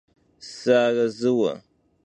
Sıarezıue!